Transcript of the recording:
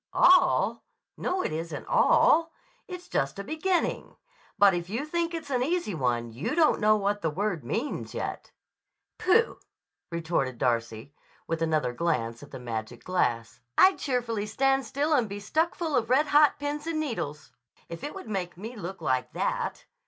"All? No; it isn't all. It's just a beginning. But if you think it's an easy one you don't know what the word means yet." "Pooh!" retorted Darcy with another glance at the magic glass. "I'd cheerfully stand still and be stuck full of red hot pins and needles, if it would make me look like that.